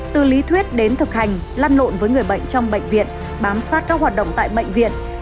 từ lý thuyết đến thực hành lăn lộn với người bệnh trong bệnh viện bám sát các hoạt động tại bệnh viện